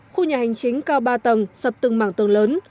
khu nhà hành chính cao ba tầng sập từng mảng tầng lớn